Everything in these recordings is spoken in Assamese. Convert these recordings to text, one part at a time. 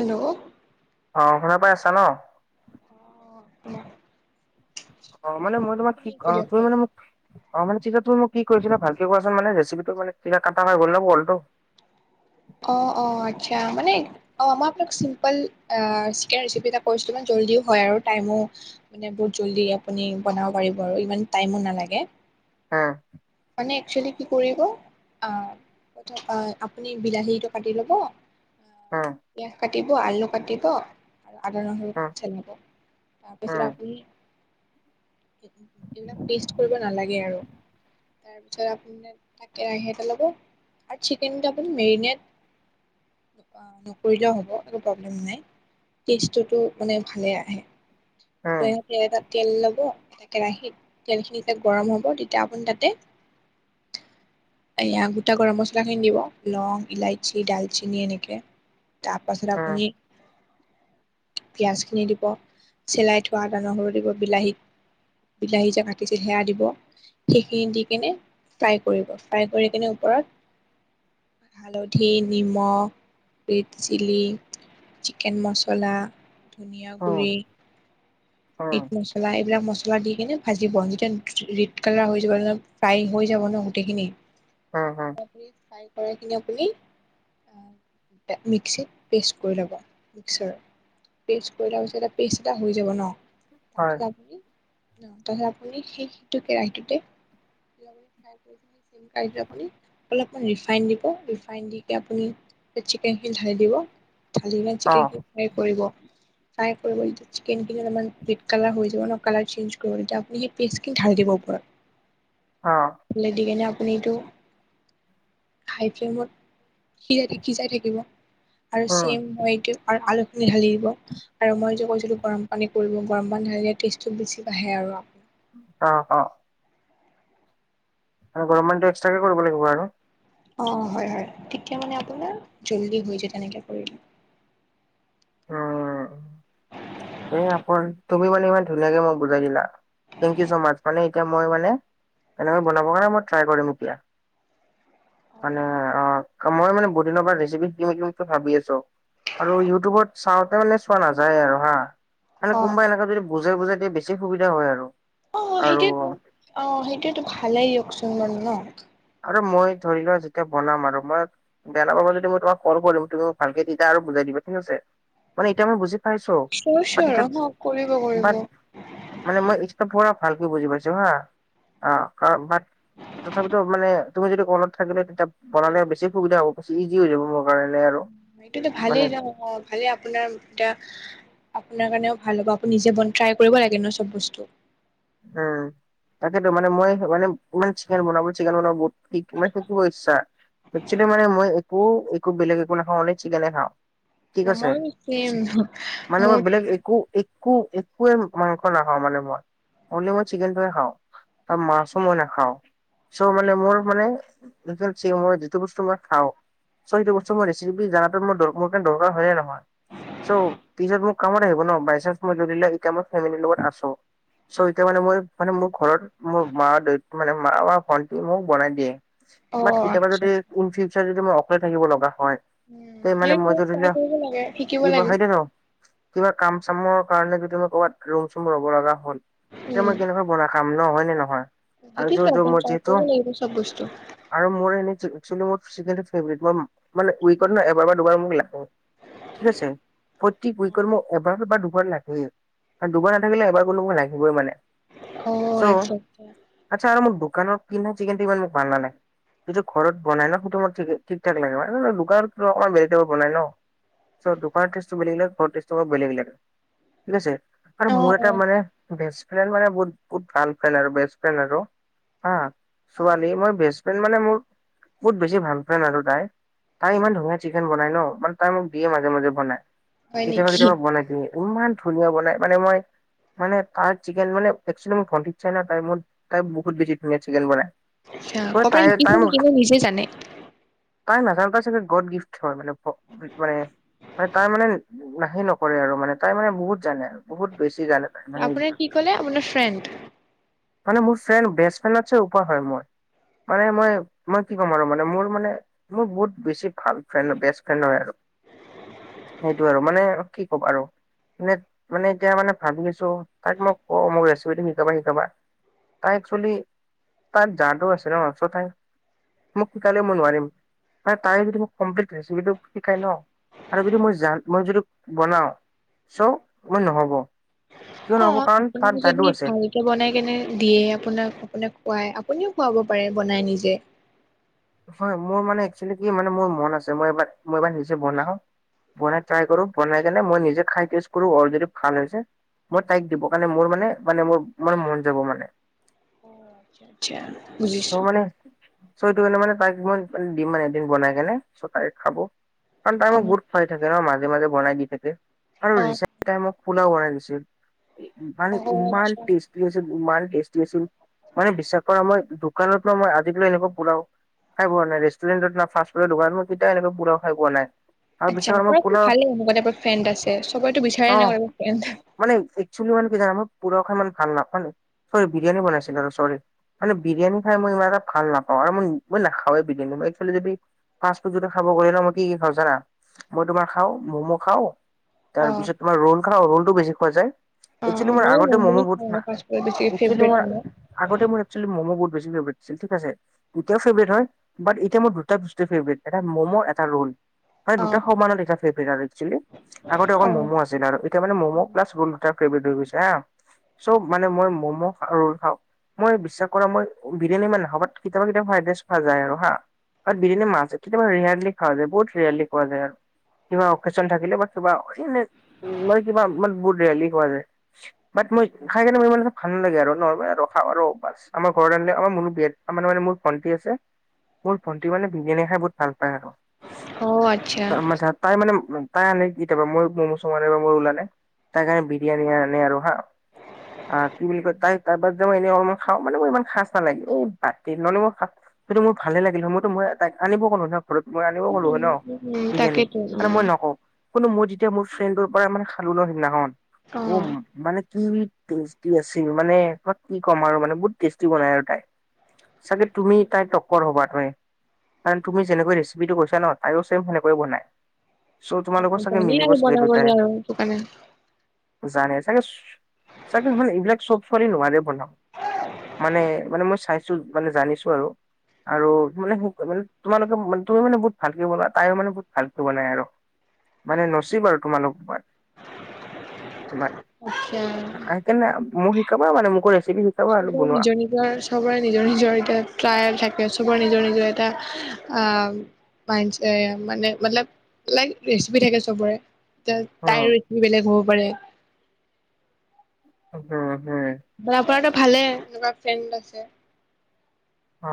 হেল্ল' অ শুনা পাই আছা ন? অ উ [unintelligible] অ মানে মই তোমাক ঠিক অ দিয়ক তুমি কওক। মানে মোক অ মানে তুমি মোক কি কৰিছিলা ভালকে কোৱাচোন মানে ৰেচিপিটো মানে ছিৰা কটা হৈ গ'ল ন বলটো অ অ আচ্ছা মানে অ মই আপোনাক চিম্পল চিকেন ৰেচিপি এটা কৈছো জল্দি ও হয় আৰু টাইম ও মানে বহুত জল্দি আপুনি বনাব পাৰিব আৰু ইমান টাইম ও নালাগে। উম মানে একচুয়েলি কি কৰিব অ অ আপুনি বিলাহীটো কাটি ল'ব হ পিয়াজ কাটিব আলু কাটিব আৰু আদা নহৰু চেলাব তাৰপিছত উম আপুনি এইবিলাক টেষ্ট কৰিব নালাগে আৰু তাৰপিছত আপুনি এটা কেৰাহি এটা লব আৰু চিকেন মেৰিনেট নকৰিলেও হব। একু প্রবলেম নাই টেষ্টোটো মানে ভালে আহে আপুনি উম ইহাতে এটা তেল লব এ কেৰাহিত তেল খিনি যেতিয়া গৰম হ'ব তেতিয়া আপুনি তাতে এয়া গোটা গৰম মছলা খিনি দিব লং ইলাইচি ডালচিনি এনেকে তাৰ পাছত উম উম আপুনি পিঁয়াজখিনি দিব চেলাই থোৱা আদা নহৰু দিব বিলাহীত বিলাহী যে কাটিছিল সেয়া দিব সেইখিনি দি কেনে ফ্ৰাই কৰিব ফ্ৰাই কৰি কিনে ওপৰত [inaudible] হালধি নিমখ ৰেড চিলি চিকেন মচলা ধুনিয়া উম গুড়ি উম মিট মছলা এইবিলাক মচলা লা দি কিনে ভাজিব যেতিয়া ৰেড কালাৰ হৈ যাব ফ্ৰাই হৈ যাব ন গোটেইখিনি উম উম য়ানি [unintelligible] চাই কৰা খিনি আপুনি মিক্সিত পেষ্ট কৰি ল'ব মিক্সাৰ পেষ্ট কৰি লোৱা পাছতে পেষ্ট এটা হৈ যাব ন হয় তাৰপিছত আপুনি তে হে আপুনি সেইটো কেৰাহিটোতে [unintelligible] অলপমান ৰিফাইন দিব, ৰিফাইন দি তে আপুনি চিকেনখিনি ঢালি দিব। ালি কি [unintelligible] অ চিকেনটো ফ্ৰাই কৰিব ফ্ৰাই কৰিবয়া চিকেন তাৰাৰ ৰেড কালাৰ হৈ যাব ন কালাৰ চেঞ্জ কৰিব তেতিয়া আপুনি সেই পেষ্টখিন ঢালি দিব অ ওপৰত দি কিনে আপুনি এইটো হাই ফ্লেমত সিজাই থ [unintelligible] সিজাই থাকিব আৰু উম চেম মই এইটো আলু আলুখিনি ঢালি দিব আৰু মই যে কৈছিলো গৰম পানীত কৰিব গৰম পানী ঢালিলে টেষ্টটো বেছি বা়ঢ়ে আৰু অ অ এনে গৰম বন্ধত এক্সট্ৰাকে কৰিব লাগিব আৰু অ হয় হয় তেতিয়া মানে আপোনাৰ জল্দি হৈ যায় তেনেকে কৰিলে উম এ আকৌ তুমি মানে ইমান ধুনীয়াকে মই বুজাই দিলা থেংক ইউ ছ মাচ মানে এতিয়া মই মানে এনেকা বনাবৰ কাৰণে মই ট্ৰাই কৰিম এতিয়া। মানে অ মই মানে বহুদিনৰ পৰা ৰেচিপি দিও দিও কে ভাবি আছো আৰু ইউটিউবত চাওঁতে মানে চোৱা নাযায় আৰু হা মানে অ কোনোবা এনেকে যদি বুজাই বুজাই দিয়ে বেছি সুবিধা হয় আৰু অ অ আৰু সেইটোয়ে অ সেইটোয়ে ভালেই দিয়কচোন মানো ন আৰে মই ধৰি লোৱা যেতিয়া বনাম আৰু মই বেয়া নাপাব যদি মই তোমাক কল কৰিম তুমি মোক ভালকে তেতিয়া আৰু বুজাই দি বা ঠিক আছে মানে এতিয়া মই বুজি পাইছো চিয়ৰ চিয়ৰ অ [unintelligible] কৰিব কৰিব বাট মানে মই পুৰা ভালকে বুজি পাইছো হা অ কাৰ বাট তথাপিটো মানে তুমি যদি কনত থাকিলে তেতিয়া বনালে বেছি সুবিধ হব বেছি ইজি হৈ যাব মোৰ। কাৰণে আৰু এইটোতো মানে ভালেই ন ভালেই আপোনাৰ এতিয়া আপোনাৰ কাৰণেও ভাল হ'ব আপুনি নিজে বন ট্ৰাই কৰিব লাগে ন চব বস্তু উম তাকেইতো মানে মই মানে ইমান চিকেন বনাব চিকেন বনাব বহুত শিক মানে শিকিব ইচ্ছা একচোৱেলি মানে মই [unintelligible] একো বেলেগ একো নাখাওঁ অনলি চিকেনে খাওঁ কি অ কৈছে মই চেম মানে মোৰ মই বেলেগ একো এক কো একোৱে মাংস নাখাওঁ মানে মই। অনলি মই চিকেনটোৱে খাওঁ। ত মাছো মই নাখাও। ছো মানে মোৰ মানে, [unintelligible] মই যিটো বস্তু মই খাওঁ ছো সেইটো বস্তু মই ৰেচিপি জাগাটো মোৰ দৰ- মোৰ কাৰণে দৰকাৰ হয়য়ে নহয় ছো পিছত মোৰ কামত আহিব ন', বাই চানছ মই ধৰিলে এতিয়া মই ফেমিলিৰ লগত আছোঁ। ছো এতিয়া মানে মই মানে মোৰ ঘৰত মোৰ মা-দে- মানে মা বা ভন্টিয়ে মোক বনাই দিয়ে। অ বাট কেতিয়াবা আচ্ছা যদি ইন ফিউচাৰ যদি মই অকলে থাকিব লগা হয় উম এই মানে সেইটোৱে মজ দিল ট্ৰাই কৰিব লাগে শিকিব দ ব লাগে সাই দ ৰ কিবা কাম চামৰ কাৰণে যদি মই ক'বাত ৰুম-চুম ৰব লগা হ'ল, তেতিয়া মই উম কেনেকে বনাই খাম ন', হয় নে নহয়? আৰু যোৰ সেইটোৱেতো য আপুনি মোৰ ট্ৰাই যিতো। কৰিব লাগিব চব বস্তু আৰু মোৰ এনে কিন্তু মোৰ চিকেন টো ফেভেৰেট মই মানে উইত ন এবাৰ বা দুবাৰ মোক লা ঠিক আছে। প্ৰতি বৈকৰ্ম এবাৰ বা দুবাৰ লাগে আৰু দুবাৰ নাথাকিলে এবাৰ হ'লেও মোক লাগিবই মানে। অ ছো আচ্ছা আচ্ছা আচ্ছা আৰু মোক দোকানৰ কিনা চিকেনটো ইমান মোক ভাল নালাগে। যিটো ঘৰত বনায় ন', সেইটো মোৰ ঠিকে- ঠিক-ঠাক লাগে। দোকানত তো অকমান বেলেগ টাইপৰ বনায় ন'। চ দোকানৰ টেজ বেলেগ ঘ ট বেলেগ ঠিক আছে আৰু অ মোৰ অ এটা মানে- বেষ্ট ফ্ৰেণ্ড মানে বহুত- বহুত ভাল ফ্ৰেণ্ড আৰু, বেষ্ট ফ্ৰেণ্ড আৰু। হা। অ ছোৱালী মই বেষ্ট ফ্ৰেণ্ড মানে মোৰ বহুত বেছি ভাল ফ্ৰেড আৰু তাই। তাই ইমান ধুনীয়া চিকেন বনাই ন মানে তাই মোক দিয়ে মাজে মাজে বনাই। হয় কেতিয়াবা - নেকি কেতিয়াবা বনাই দিয়ে। ইমান ধুনীয়া বনায়, মানে মই মানে তাইৰ চিকেন মানে একছুলি মোৰ ভন্তিক চাইনা তাই মত- তাই বহুত বেছি ধুনীয়া চিকেন বনায়। কৰবাৰ শিকিছে নেকি নে নিজে জানে? তাই নাজানো তাই চাগে গড গিফ্ট হয় মানে ভ- মানে মানে তাই মানে হেই নকৰে আৰু মানে, তাই মানে বহুত জানে আৰু বহুত বেছি জানে। তাই মানে আপোনাৰ কি ক'লে, আপোনাৰ ফ্ৰেণ্ড? মানে মোৰ ফ্ৰেণ্ড- বেষ্ট ফ্ৰেণ্ডতছাই ওপৰ হয় মোৰ। মানে মই মই কি ক'ম আৰু মানে মোৰ মানে মোৰ বহুত বেছি ভাল ফ্ৰেণ্ড বেষ্ট ফ্ৰেণ্ড হয় আৰু। সেইটো আৰু, মানে কি ক'ম আৰু। এনে মানে এতিয়া মানে ভাবি আছোঁ। তাইক মই কওঁ মোক ৰেচিপিটো শিকাবা - শিকাবা। তাই একচোৱেলি তাত যাদু আছে [unintelligible] তাই মোক শিকালে মই নোৱাৰিম ম তাই যদি মোক কমপ্লিট ৰেচিপিটো শিকাই ন আৰু যদি মই জান মই যদি বনাও চ মই নহব। কিয় অ নহ'ব কাৰণ আপোনাক তাত যাদু যদি আছে ভালকে বনাই কেনে দিয়ে আপোনাক আপোনাক খুৱাই আপুনিও খুৱাব পাৰে বনাই নিজে। হয় মোৰ মানে একচেলি কি মানে মোৰ মন আছে মইবাৰ মই এইবাৰ নিজে বনাও। বনাই ট্ৰাই কৰো বনাই কেনে মই নিজে খাই টেষ্ট কৰো অল যদি ভাল হৈছে মই তাইক দিব কাৰণে মোৰ মানে মানে মোৰ ম মন যাব মানে। অ বুজিছো। ত' সটো কাৰণে মানে তাইক মই দিম মানে এদিন বনাই কেনে চ' তাই খাব। কাৰণ তাই অ মোক বহুত খোৱাই থাকে ন মাজে মাজে বনাই দি থাকে আৰু অ ৰিচ তাই মোক পোলাও বনাই দিছিল। মানে অ ইমান আচ্ছা টেষ্টি আছিল ইমান টেষ্টি আছিল মানে বিশ্বাস কৰা মই দোকানৰ পৰা মই আজিকালি এনেকোৱা পুলাও খাই পোৱা নাই ৰেষ্টুৰেটত ন ফাষ্টফুডৰ দোকান মই কেতিয়াও এনেকা পুৰা খাই পুৱা নাই। আৰু আচ্ছা বিশ্বাস কৰা মই পৰা পোলাও ভালে এনেকুৱা এপ ফ্ৰেণ্ড আছে চবতো বিচাৰে অ এনেকুৱা ফ্ৰেণ্ড। মানে একচেলি মানে কি জানোই পুলাও খাই ইমান ভাল ন মানে চৰি বিৰিয়ানী বনাইছিলে আৰু চৰি। মানে বিৰিয়ানী খাই মই ইমান এটা ভাল নাপাওঁ আৰু নি মই নাখাওেই বি য ফা ফুড য খাব কৰি ন মই কি খও জানা মই তোমাৰ খাও ম'ম' খাও অ তাৰপিছত তোমাৰ ৰোল খাও ৰ'লতটো বেছি খোৱা যায়। অ মোৰ ময়ো আগতে মমো ম'ম'য়ে গ খাওঁ মানে ফাষ্ট ফুডত বেছি ফেভৰেট মোৰ মানে আগতে মোৰ মমো বহুত ছিল ঠিক আছে। এতিয়াও ফেভৰেট হয় বাট এতিয়া মোৰ দুটা বস্তু ফেভৰেট এটা ম'ম' এটা ৰোল। মানে অ দুটা সমানত এটা ফেভেৰেট চিলি আগতে অ অকল ম'ম' আছিলে আৰু এতিয়া মানে ম'ম প্লাছ ৰোল দুটা ধৰি গৈছে হা চ' মানে মই ম'ম' ৰল খাওঁ। মই বিশ্বাস কৰা মই বিৰিয়ানী ইমান নাখাওঁ বাত কেতিয়াবা কেতিয়াবা খাই খোৱা যায় আৰু হা তাত বিভিনে মাছছে কেতিয়াবা ৰিয়াৰলি খোৱা যায় বহুত ৰিয়াৰলি খোৱা যায় আৰু। কিবা অকজন থাকিলে বা কিবা এ কিবা ৰেলি খোৱা যায় বাত মই খাই কেনে মোৰ মানে ইমান ভাল লাগে আৰু নৰ্মেল আৰু খাওঁ আৰু বছ আমাৰ ঘৰৰে। ম মে মোৰ ভণ্টি আছে মোৰ ভন্টি মানে বিৰিয়ানী খাই বহুত অ আচ্ছা ভাল। আছ তাই মানে তাই আনে কেতিয়াবা মই ম'ম' চোম নে বা মই ওলা নে তাই কাৰণে বিৰিয়ানি আনে আৰু হা অ, কি বুলি ক তাই তাৰপা যে মই এনেই অলপমান খাও মানে ম ইমান খাজ নালাগে এই বাতিত মানে মই যিটো মোৰ ভালে লাগিলে মইতো মই ত আনিব ক'লো হক। ঘৰত মই আনিব হ'লো হয় ন উম উম বিৰিয়ানী তাকেইতো আৰু উম মই নকওঁ। কোনো মই যেতিয়া মোৰ ফ্ৰেণ্ডৰ পৰা মানে খালো ন সিদিনাখন অ, মানে। কি টেষ্টি আছিল মানে তাক কি ক'ম আৰু মানে বহুত টেষ্টি বনাই আৰু তাই। চাগে তুমি তাই তটক্কৰ হ'বা। কাৰ তুমি যেনেকৈ ৰেচিপিটো কৈছা ন তাইয়ো চেম সেনেকে বনায়। চ' অ তোমালোকৰ চাগে জানেই মিলিব আৰু চাগেই দু বনাবলে তাৰে। আৰু সেইটো কাৰণে জানে চাগে চাগে মানে এইবিলাক চব ছোৱালী নোৱৰে বনাব। মানে মানে মই চাইছো মানে জানিছো আৰু। আৰু মানে মানে তোমালোকে তুমিও মানে বহুত ভালকে বনোৱা তাইও মানে বহুত ভালকে বনাই আৰু। মানে নচিব আৰু তোমালোক ইমান। আচ্ছা খাই কেনে মোক শিকাব মানে মোকো ৰে চবৰে নিজৰ নিজৰ চবৰে নিজৰ নিজৰ এতিয়া ট্ৰায়েল থাকে চবৰে নিজৰ নিজৰ এটা আহ। মানে মতলব লাইক ৰেচিপি থাকে চবৰে। এ উম তাইৰো বেলেগ হ'ব পাৰে। হম হম বাপ ভালে এনেকুৱা ফ্ৰেণ্ড আছে। অ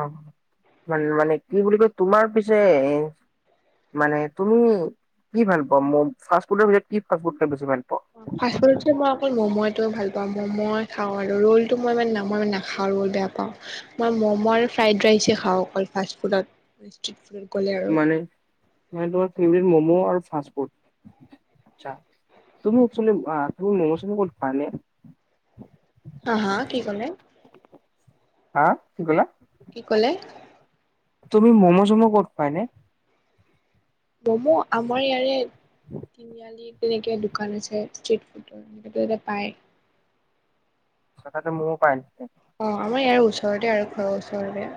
মান মানে কি বুলি কয় তোমাৰ পিছে মানে তুমি কি ভাল পোৱা মম ফুডৰ ভিতৰত কি ফাচফুড খাই বেছি ভাল পোৱা। ফ ফুড মই অকল ম'ম'ও ভাল পাওঁ ম'ম' খাওঁ আৰু। আৰু ৰ'লটো মই মানে নামই নাখাওঁ ৰ'ল বেয়া পাওঁ মই ম'ম' আৰু ফ্ৰাইড ৰাইচে খাওঁ অকল ফাষ্টফুড। নিশ্চিত [unintelligible] মানে মানে তোমাৰ ফেম মম' আৰু তুমি আচমচ ক পে [inaudible] হা হা কি কলে? হা কি ক'লা কি কলে তুমি মমো চমো ক'ত পাই এনে? মমো আমাৰ ইয়াৰে তিনিআলিত। তেনেকে দোকান আছে ষ্ট্ৰট ফুডৰ এনেক ততে পায় [unintelligible] অ আমাৰ ইয়াৰ ওচৰতে আৰু ঘৰৰ ওচৰতে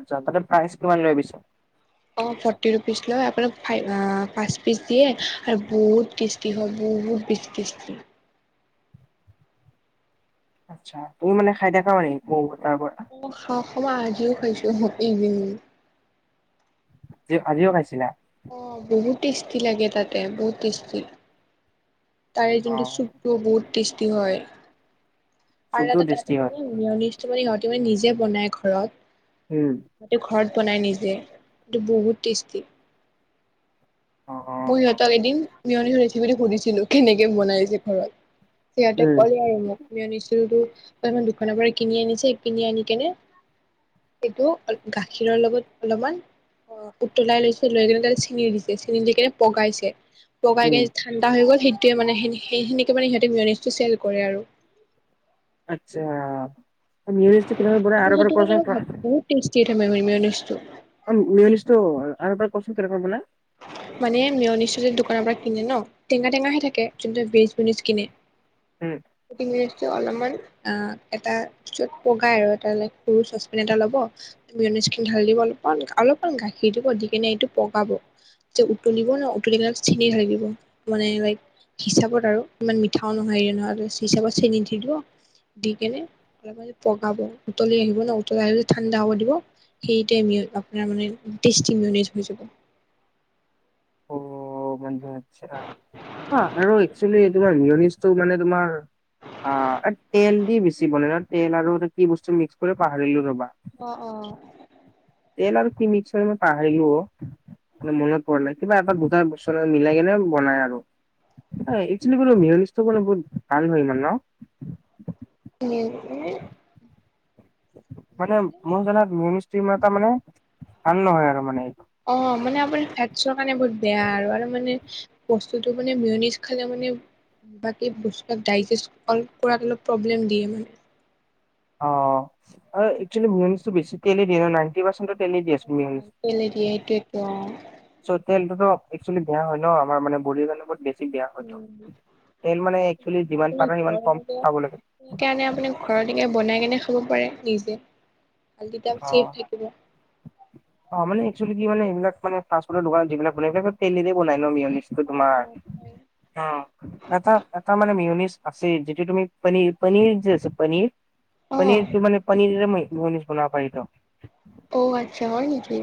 আচ্ছা, তাতে প্ৰাইচ কিমান লৈ পিছে। অ', ফৰ্টি ৰুপিচ লয়, আপোনাক ফাইভ-আ পাঁচ পিচ দিয়ে আৰু বহুত টেষ্টি হয় বহুত বহুত টেষ্টি আছিলে। আচ্ছা, তুমি মানে খাই থাকা মানে অ' মম' খাহ খ আজিও খাইছোঁ ইভিনিং। কি আজিও খাইছিলা? অ' বহুত টেষ্টি লাগে, তাতে বহুত টেষ্টি। তাৰে যোনটো অ', চুপটো, বহুত টেষ্টি হয়। আৰে চুপটোও তাতে টেষ্টি হয়। মেওনিষ্টটো মানে সিহঁতে তেওঁ নিজে বনাই ঘৰত, উম, তাতে ঘৰত বনাই নিজে, কিন্তু বহুত টেষ্টি। অ', অ', মইও অ'। সিহঁতক এদিন মেয়নিজৰ ৰেচিপিটো সুধিছিলোঁ কেনেকে বনাইছে ঘৰত। সিহঁতে উম, ক'লে আৰু মোকমি আনিছিলো তো তাৰমানে দোকানৰ পৰা কিনি আনিছে, কিনি আনি কেনে এইটো গাখীৰৰ লগত অলপমান অ', উতলাই লৈছে লৈ কিনে তাতে চেনী দিছে, চেনী দি কিনে পগাইছে, পগাই উম, কেনে ঠাণ্ডা হৈ গ'ল, সেই তেওঁ মানে সেন-সেইখিনিকে মানে সিহঁতে মেয়নিজটো চেল কৰে আৰু। আচ্ছা, [unintelligible] ইউনিভাৰ্চিটিৰ পিনৰ পৰা আৰু [unintelligible] তিতা [unintelligible] টো অ', মেয়নিজটো আৰু এবাৰ কওঁকচোন কেনেকৈ বনাই। মানে মেয়নিজটো যে দোকানৰ পৰা কিনে ন, টেঙা টেঙাহে থাকে যোনটো ভেজ মেয়নিজ কিনে, উম, সেই অলপমান অ' এটাত তাৰপিছত পগাই আৰু এটা ল-সৰু চচপেন এটা ল'ব খিনি ঢালি দিব অলপমান অলপমান গাখীৰ দিব দি কিনে এইটো পগাব। যে উতলিব ন' উতলিলে অলপ চেনী ঢালি দিব মানে লাইক হিচাপত আৰু ইমান মিঠাও নহয় নহয় হিচাপত চেনি দি দো। দি কেনে অলপ পগাব উতলি আহিব ন' উতলি আহিলে ঠাণ্ডা হ'ব দিব। সেইটাই-মেয় আপোনাৰ মানে টেষ্টি মেয়নিজ হৈ যাব। অ', মান আচ্ছা আৰু একচেলি তোমাৰ মেনিজটোৰ মানে তোমাৰ অ', এ তেল দি বেছি বনাই ন, তেল আৰু এইটো কি বস্তু মিক্স কৰে পাহৰিলোঁ ৰ'বা। অ' অ'। তেল আৰু কি মিক্সাৰ মই পাহৰিলো অ'। মানে মনত পৰা নাই, কিবা এটা গোটা বস্তুৰ এটাৰ লগত মিলাই কেনে বনাই আৰু। অই একচেলি বোলো মিয়নিজটো বোলো বহুত ভাল হয় ইমান ন'। [unintelligible] মানে মই জনাত মেয়নিজটো ইমান এটা মানে ভাল নহয় আৰু মানে। অ', মানে আপোনাৰ ফেটছৰ কাৰণে বহুত বেয়া আৰু, আৰু মানে বচ স্তুটো মানে মেয়নিজ খালে মানে বাকী বস্তুবিলাক ডাইজেষ্ট অল-কৰাত অলপ প্ৰব্লেম দিয়ে মানে। অ', আৰু একচুৱেলি মেয়নিজটো বেছি কেলেই দিয়ে জানা, এইট্টি পাৰ্চেণ্টত পেলাই দিয়ে সেইটোৱেটো অ। [unintelligible] একচেলি বেয়া হয় ন' আমাৰ মানে বডিৰ কাৰণে বহুত বেছি বেয়া হয়তো। পু ঘে খাব লাগে সেইকাৰণে আপুনি ঘৰলৈকে বনাই কেনে নি ভালাম অ চছেফ থাকিব। অ মানে কি মানে সবিলাকানে ফাফুৰ দোকান যিবিলাকিলাক তেলেৰে বনাই। মিয়-মিয়নিচটো অ তোমাৰ। অ হয়। অহ' এটা, এটা মানে মিয়নিচ। আছে যেটোয়া তুমি প পনীৰ যে আছে পনীৰ - পনীৰ তটোম অ মানে পীৰ ম খলা পত [unintelligible] অ, আচ্ছা হয় নেকি?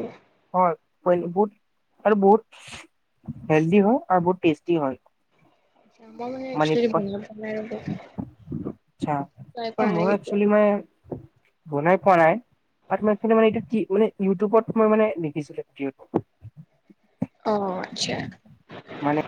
হয়। [unintelligible] বুট আৰু বহুত। হেলডী হয় আৰু বহুত টেষ্টি হয়। আম মানে ছ বনাই। আচ্ছা মোৰ একচ মানে বনাই পোৱা নাই আৰু ম - মানে এইটো কি মান ইউটিউবত মই মানে দেখিছিল। অ, আচ্ছা। মানে